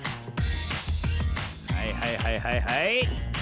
はいはいはいはいはい。